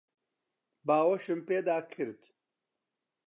باوەشم پێدا کرد.